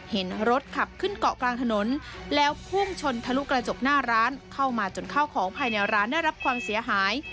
เห็นรถขับขึ้นเกาะกลางถนนแล้วพุ่งชนทะลุกระจกหน้าร้านเข้ามาจนข้าวของภายในร้านได้รับความเสียหาย